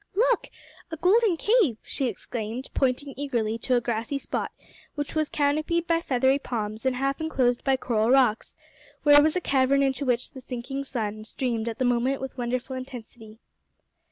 "Look! a golden cave!" she exclaimed, pointing eagerly to a grassy spot which was canopied by feathery palms, and half enclosed by coral rocks, where was a cavern into which the sinking sun streamed at the moment with wonderful intensity.